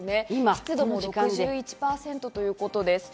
湿度も６１％ということです。